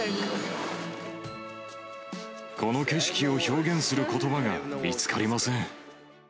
この景色を表現することばが見つかりません。